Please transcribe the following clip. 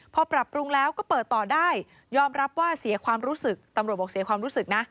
พอปรับปรุงแล้วก็เปิดต่อได้ยอมรับว่าเสียความรู้สึกตำรวจบอกเสียความรู้สึกนะ